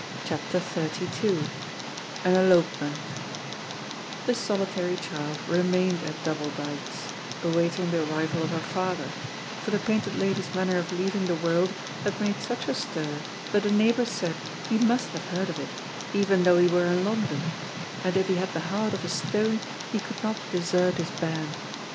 CHAPTER XXXII AN ELOPEMENT The solitary child remained at Double Dykes, awaiting the arrival of her father, for the Painted Lady's manner of leaving the world had made such a stir that the neighbors said he must have heard of it, even though he were in London, and if he had the heart of a stone he could not desert his bairn.